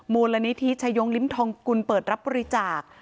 มูลนิธิชายงลิ้มทองกุลเปิดรับบริจาค